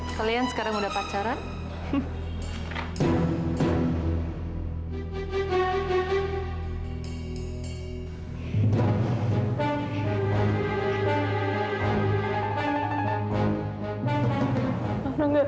kalian sekarang udah pacaran